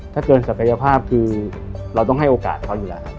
ถ้าเกินศักยภาพคือเราต้องให้โอกาสเขาอยู่แล้วครับ